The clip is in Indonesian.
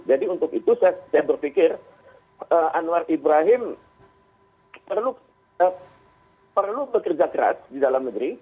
jadi untuk itu saya berpikir anwar ibrahim perlu bekerja keras di dalam negeri